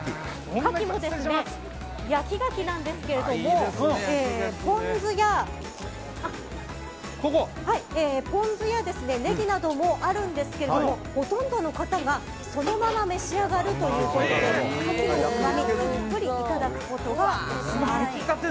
カキも焼きガキなんですけどもポン酢やネギなどもあるんですがほとんどの方がそのまま召し上がるということでカキのうまみをたっぷりいただくことができます。